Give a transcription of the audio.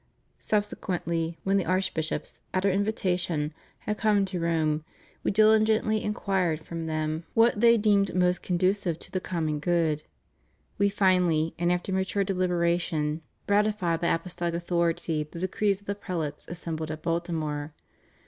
Sub sequently, when the archbishops, at Our invitation, had come to Rome, We diligently inquired from them what they deemed most conducive to the common good. We finally, and after mature deliberation, ratified by apos CATHOLICITY IN THE UNITED STATES. 327 folic authority the decrees of the prelates assembled at Baltimore.